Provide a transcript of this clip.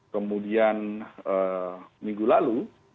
kemudian minggu lalu